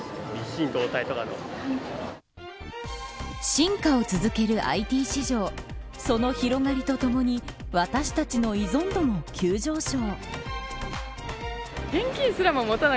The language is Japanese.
進化を続けるＩＴ市場その広がりとともに私たちの依存度も急上昇。